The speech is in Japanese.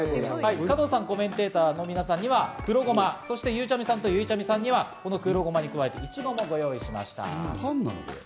加藤さんやコメンテーターの皆さんには黒ゴマ、そして、ゆうちゃみさんと、ゆいちゃみさんには、黒ごまに加えて、イチゴもご用意しました。